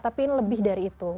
tapi lebih dari itu